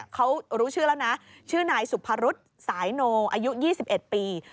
เขารู้ชื่อแล้วนะชื่อนายสุพรุษสายโนอายุ๒๑ปี